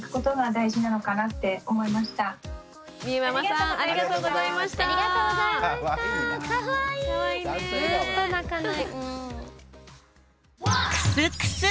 ずっと泣かない。